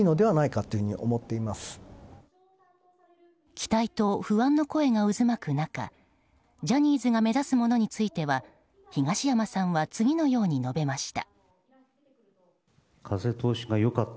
期待と不安の声が渦巻く中ジャニーズが目指すものについては東山さんは次のように述べました。